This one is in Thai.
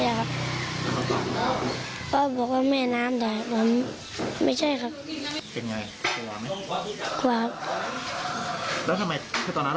แล้วทำไมคือตอนนั้นเราอยู่แล้วว่าเป็นแก่งรักเด็ด